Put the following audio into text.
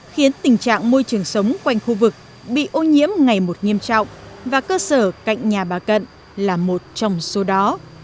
khiến tình trạng môi trường sống quanh khu vực bị ô nhiễm ngày một nghiêm trọng và cơ sở cạnh nhà bà cận là một trong số đó